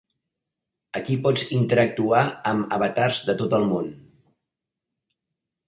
Aquí pots interactuar amb avatars de tot el món.